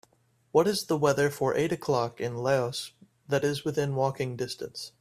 What is the weather for eight o'clock in Laos that is within walking distance